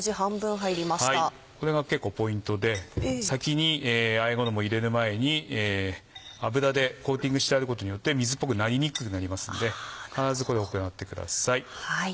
これが結構ポイントで先にあえ衣を入れる前に油でコーティングしてあることによって水っぽくなりにくくなりますんで必ずこれを行ってください。